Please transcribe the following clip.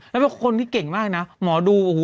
แล้วก็คนที่เก่งมากนะหมอดูอ๋อหูเรียกมาดู